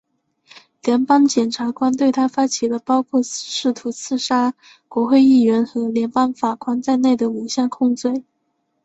联邦检察官对他发起了包括试图刺杀国会议员和联邦法官在内的五项控罪。